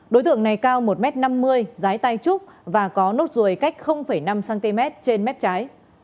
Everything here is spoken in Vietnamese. đối tượng này cao một m năm mươi dưới tay trúc và có nốt ruồi cách năm cm trên mép trái